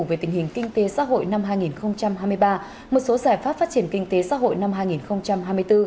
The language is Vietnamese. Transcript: về tình hình kinh tế xã hội năm hai nghìn hai mươi ba một số giải pháp phát triển kinh tế xã hội năm hai nghìn hai mươi bốn